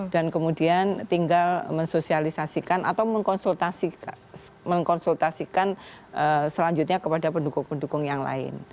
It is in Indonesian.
dan kemudian tinggal mensosialisasikan atau mengkonsultasikan selanjutnya kepada pendukung pendukung yang lain